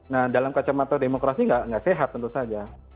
nah dalam kacamata demokrasi nggak sehat tentu saja